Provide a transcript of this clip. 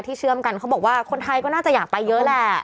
เชื่อมกันเขาบอกว่าคนไทยก็น่าจะอยากไปเยอะแหละ